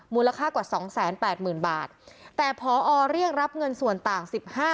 มูลค่ากว่า๒๘๐๐๐๐บาทแต่พอเรียกรับเงินส่วนต่าง๑๕